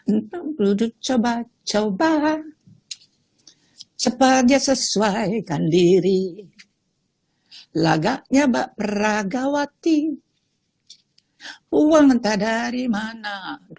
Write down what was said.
untuk duduk coba coba cepatnya sesuaikan diri lagaknya mbak peragawati uang entah dari mana